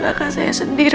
dari saya sendiri